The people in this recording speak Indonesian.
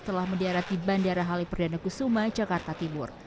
telah mendarat di bandara haleperdana kusuma jakarta timur